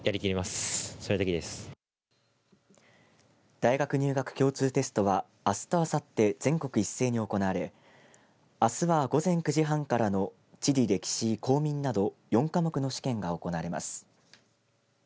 大学入学共通テストはあすとあさって全国一斉に行われあすは午前９時半からの地理・歴史、公民など４科目の試験が行われます。